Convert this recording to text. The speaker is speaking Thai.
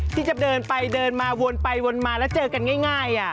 ที่จะเดินไปเดินมาวนไปวนมาแล้วเจอกันง่าย